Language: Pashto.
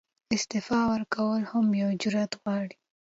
استعفاء ورکول هم یو جرئت غواړي.